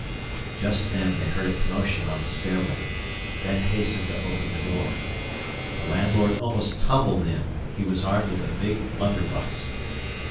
Just then they heard a commotion on the stairway. Ben hastened to open the door. The landlord almost tumbled in; he was armed with a big blunderbuss.